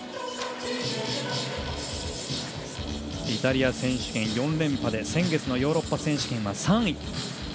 イタリア選手権４連覇で先月のヨーロッパ選手権は３位。